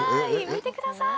見てください！